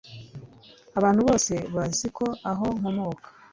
Abantu bose bazi ko aho nkomoka